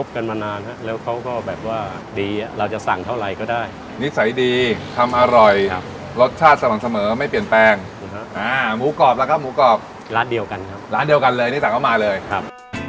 ก็ก็แบบว่าดีอ่ะเราจะสั่งเท่าไรก็ได้นิสัยดีทำอร่อยครับรสชาติสม่ำเสมอไม่เปลี่ยนแปลงอ่าหมูกรอบแล้วครับหมูกรอบร้านเดียวกันครับร้านเดียวกันเลยนี่สั่งเขามาเลยครับ